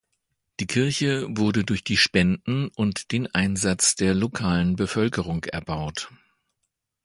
Die Kirche wurde durch die Spenden und den Einsatz der lokalen Bevölkerung erbaut.